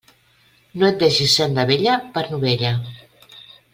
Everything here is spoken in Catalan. No et deixes senda vella per novella.